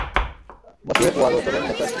মসিয়ে Poirot, চলুন নেচে আসি!